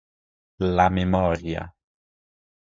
La Memoria.